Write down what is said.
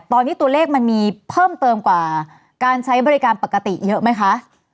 ตอนนี้ตัวเลขมันมีเพิ่มเติมกว่าการใช้บริการปกติเยอะไหมคะ